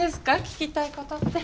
聞きたいことって。